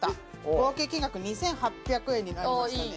合計金額２８００円になりましたね